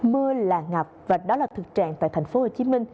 mưa là ngập và đó là thực trạng tại tp hcm